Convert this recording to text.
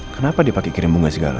kenapa dia pake kirim bunga segala